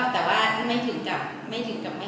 แต่ว่าไม่ถึงกับไม่เข้าใจ